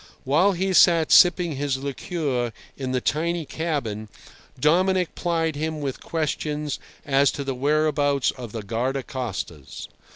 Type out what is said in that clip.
While he sat sipping his liqueur in the tiny cabin, Dominic plied him with questions as to the whereabouts of the guardacostas.